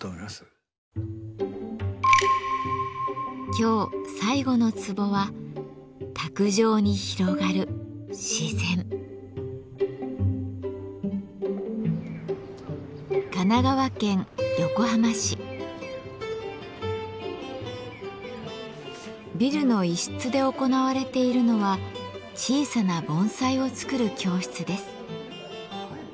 今日最後のツボはビルの一室で行われているのは小さな盆栽を作る教室です。